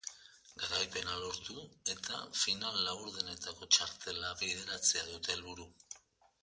Garaipena lortu eta final-laurdenetako txartela bideratzea dute helburu.